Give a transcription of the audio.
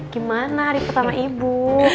gimana hari pertama ibu